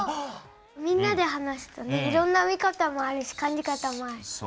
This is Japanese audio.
みんなで話すといろんな見方もあるし感じ方もあるよね。